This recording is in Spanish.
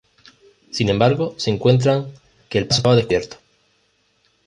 Sin embargo, se encuentran que el paso estaba descubierto.